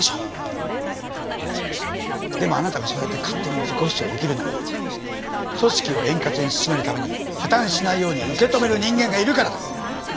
でもあなたがそうやって勝手に自己主張できるのも組織を円滑に進めるために破綻しないように受け止める人間がいるからだ。